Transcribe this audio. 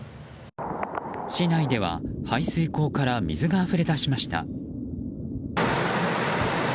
市内では排水口から水があふれ出しました。